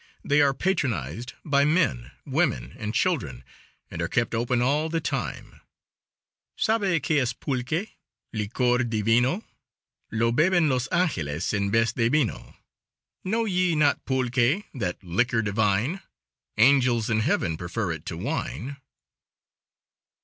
They are patronized by men, women, and children, and are kept open all the time. "Sabe que es pulque Licor divino? Lo beben los angeles En vez de vino." Know ye not pulque That liquor divine? Angels in heaven Prefer it to wine.